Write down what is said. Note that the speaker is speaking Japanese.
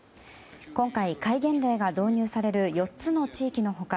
今回、戒厳令が導入される４つの地域の他